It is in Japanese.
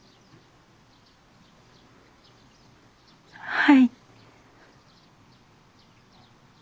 はい。